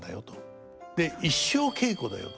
で一生稽古だよ。